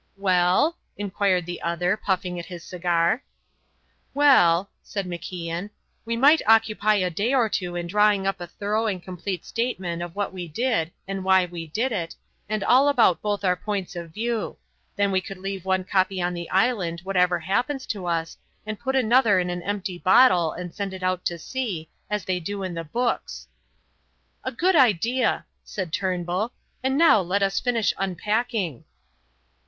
"Well?" inquired the other, puffing at his cigar. "Well," said MacIan, "we might occupy a day or two in drawing up a thorough and complete statement of what we did and why we did it, and all about both our points of view. Then we could leave one copy on the island whatever happens to us and put another in an empty bottle and send it out to sea, as they do in the books." "A good idea," said Turnbull, "and now let us finish unpacking."